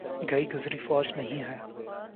گئی گزری فوج نہیں ہے۔